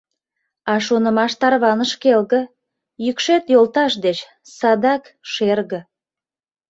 А шонымаш тарваныш келге: Йӱкшет йолташ деч, садак… шерге.